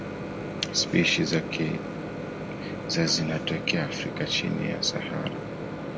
Spishi za zinatokea Afrika chini ya Sahara.